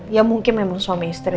ya mungkin memang suami istri